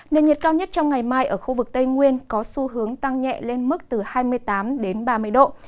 nền nhiệt cao nhất trong ngày mai ở khu vực tây nguyên có xu hướng tăng nhẹ lên mức từ hai mươi tám đến ba mươi độ